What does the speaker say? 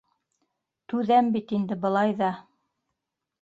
Түҙәм бит инде былай ҙа!